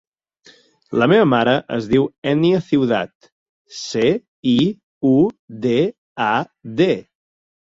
La meva mare es diu Ènia Ciudad: ce, i, u, de, a, de.